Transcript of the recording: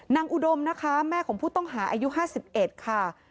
นางอุดมแม่ของผู้ต้องหาอายุ๕๑ค่ะ